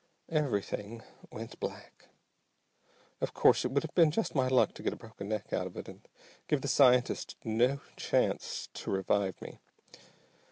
Everything went black. Of course it would have been just my luck to get a broken neck out of it and give the scientist no chance to revive me.